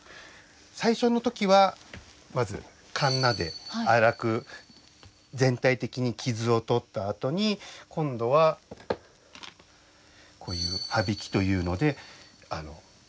最初の時はまずかんなで粗く全体的に傷を取ったあとに今度はこういうはびきというので平らにならす。